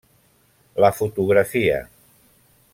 La fotografia.